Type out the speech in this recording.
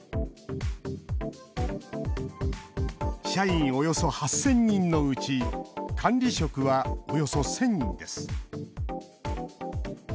社員およそ８０００人のうち管理職は、およそ１０００人です。